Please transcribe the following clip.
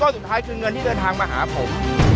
สุดท้ายคือเงินที่เดินทางมาหาผม